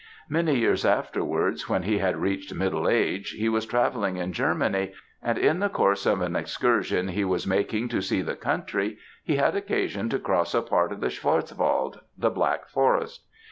"Many years afterwards, when he had reached middle age, he was travelling in Germany, and in the course of an excursion he was making to see the country, he had occasion to cross a part of the Schwarzwald the Black Forest.